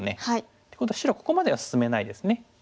っていうことは白はここまでは進めないですね。